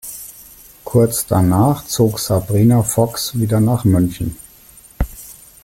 Kurz danach zog Sabrina Fox wieder nach München.